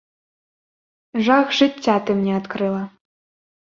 Жах жыцця ты мне адкрыла.